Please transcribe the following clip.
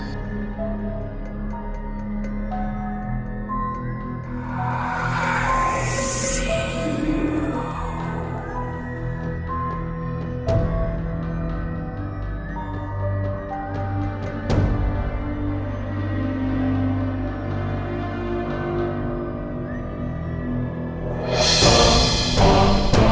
kali itu kali kadang itu